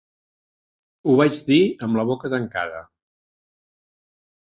Ho vaig dir amb la boca tancada.